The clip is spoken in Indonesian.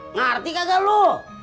ngerti kaga lu